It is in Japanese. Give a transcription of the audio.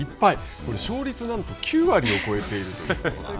これ、勝率なんと９割を超えていると。